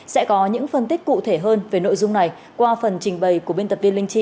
sẽ có những phân tích cụ thể hơn về nội dung này qua phần trình bày của biên tập viên linh chi